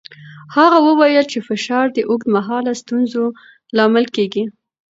هغه وویل چې فشار د اوږدمهاله ستونزو لامل کېږي.